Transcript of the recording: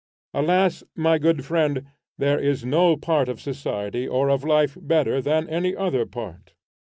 Alas! my good friend, there is no part of society or of life better than any other part.